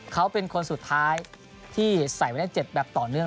เขาเป็นคนสุดท้ายที่ใส่ไว้ใน๗แบบต่อเนื่อง